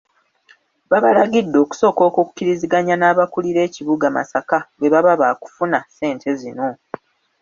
Babalagide okusooka okukkiriziganya n'abakulira ekibuga Masaka bwe baba baakufuna ssente zino.